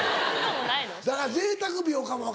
だからぜいたく病かも。